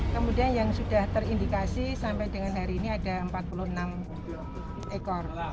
kemudian yang sudah terindikasi sampai dengan hari ini ada empat puluh enam ekor